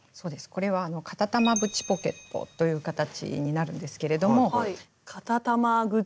これは「片玉縁ポケット」という形になるんですけれども。